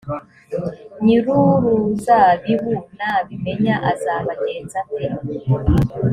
nyir uruzabibu nabimenya azabagenza ate